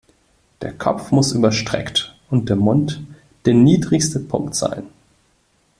Der Kopf muss überstreckt und der Mund der niedrigste Punkt sein.